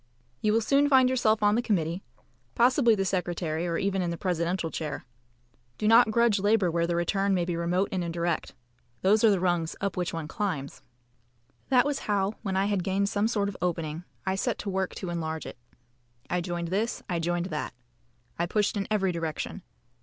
You will soon find yourself on the committee possibly the secretary, or even in the presidential chair. Do not grudge labour where the return may be remote and indirect. Those are the rungs up which one climbs. That was how, when I had gained some sort of opening, I set to work to enlarge it. I joined this. I joined that. I pushed in every direction.